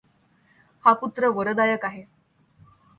हा पुत्र वरदायक आहे.